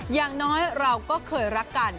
อย่างน้อยเราก็เคยรักกัน